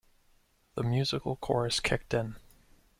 The musical chorus kicked in.